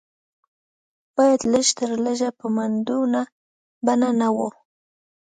یا لږ تر لږه په مدونه بڼه نه و.